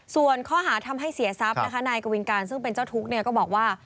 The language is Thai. ส่วนข้อหาทำให้เสียทรัพย์นะคะนายกวินการซึ่งเป็นเจ้าทุกข์ก็บอกว่า